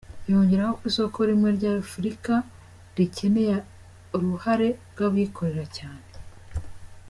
Yongeraho ko isoko rimwe ry’ Afurika rikeneye uruhare rw’ abikorera cyane.